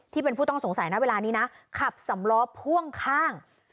ที่เป็นผู้ต้องสงสัยนะเวลานี้นะขับสำล้อพ่วงข้าง